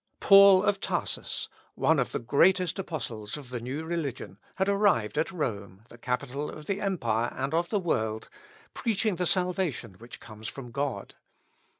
Paul of Tarsus, one of the greatest apostles of the new religion, had arrived at Rome, the capital of the empire and of the world, preaching the salvation which comes from God.